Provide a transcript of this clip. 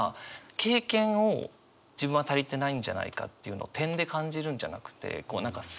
経験を自分は足りてないんじゃないかっていうのを点で感じるんじゃなくて何か線で。